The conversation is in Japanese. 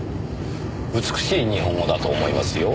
美しい日本語だと思いますよ。